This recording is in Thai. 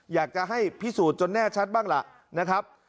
อยากจะให้พิสูจน์จนแน่ชัดบ้างล่ะนะครับ